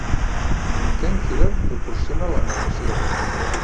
Ken Hiller proporciona la narració.